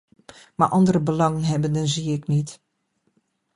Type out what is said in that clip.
Maar andere belanghebbenden zie ik niet.